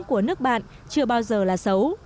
của nước bạn chưa bao giờ là xấu